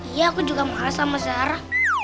iya aku juga males sama zara